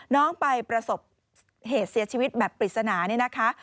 น้องไปประสบเหตุเสียชีวิตแบบปริศนา